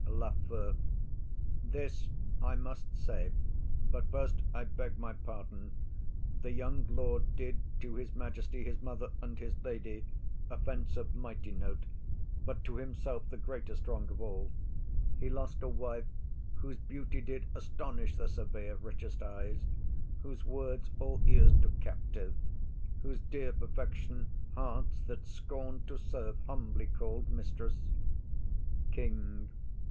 LAFEW. This I must say,— But first, I beg my pardon,—the young lord Did to his majesty, his mother, and his lady, Offence of mighty note; but to himself The greatest wrong of all. He lost a wife Whose beauty did astonish the survey Of richest eyes; whose words all ears took captive; Whose dear perfection hearts that scorn'd to serve Humbly call'd mistress. KING.